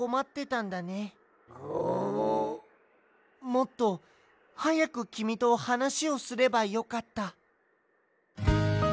もっとはやくきみとはなしをすればよかった。